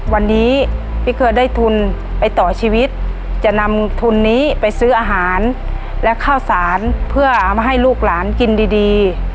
วันนี้พี่เคยได้ทุนไปต่อชีวิตจะนำทุนนี้ไปซื้ออาหารและข้าวสารเพื่อเอามาให้ลูกหลานกินดี